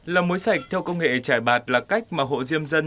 làm mối sạch theo công nghệ trải bạt là cách mà hộ diêm dân